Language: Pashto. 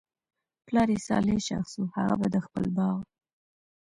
پلار ئي صالح شخص وو، هغه به د خپل باغ